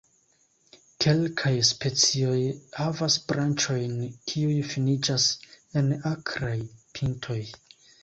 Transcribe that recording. Kelkaj specioj havas branĉojn, kiuj finiĝas en akraj pintoj.